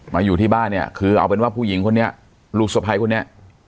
อยู่ที่บ้านเนี่ยคือเอาเป็นว่าผู้หญิงคนนี้ลูกสะพ้ายคนนี้